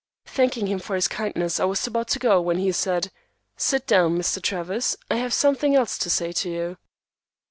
Thanking him for his kindness, I was about to go, when he said, "Sit down, Mr. Travers. I have something else to say to you."